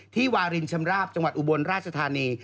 วารินชำราบจังหวัดอุบลราชธานี